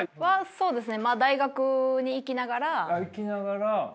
そうですね。